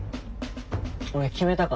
俺決めたから。